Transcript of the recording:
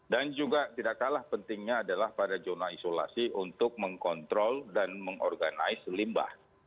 dan juga tidak kalah pentingnya adalah pada zona isolasi untuk mengkontrol dan mengorganize limbah